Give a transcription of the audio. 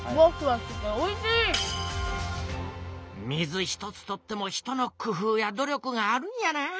水一つとっても人の工ふうや努力があるんやな。